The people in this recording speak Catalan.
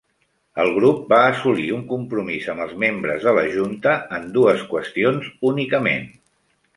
El grup va assolir un compromís amb els membres de la junta en dues qüestions únicament.